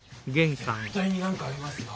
絶対に何かありますよ。